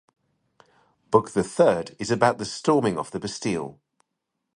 Book the Third is about the storming of the Bastille.